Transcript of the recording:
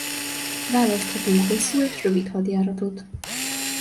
Választhatunk Hosszú és rövid hadjáratot.